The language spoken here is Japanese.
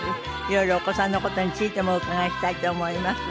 いろいろお子さんの事についてもお伺いしたいと思います。